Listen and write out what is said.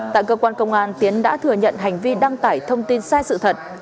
tại cơ quan công an tiến đã thừa nhận hành vi đăng tải thông tin sai sự thật